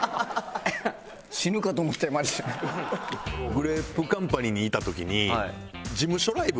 グレープカンパニーにいた時に事務所ライブ